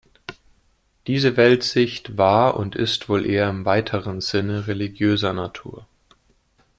Diese Weltsicht war und ist wohl eher im weiteren Sinne religiöser Natur.